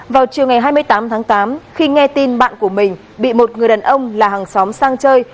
vào chiều ngày hai mươi tám tháng tám khi nghe tin bạn của mình bị một người đàn ông là hàng xóm sang chơi